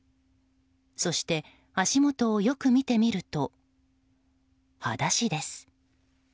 そして、足元をよく見てみると裸足です。